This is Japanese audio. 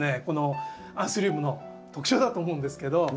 このアンスリウムの特徴だと思うんですけど。